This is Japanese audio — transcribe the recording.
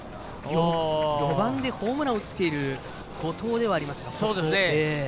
４番でホームランを打っている後藤ではありますが。